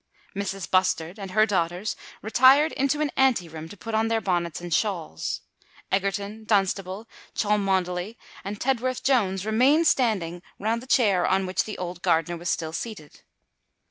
Mrs. Bustard and her daughters retired into an ante room to put on their bonnets and shawls: Egerton, Dunstable, Cholmondeley, and Tedworth Jones remained standing round the chair on which the old gardener was still seated.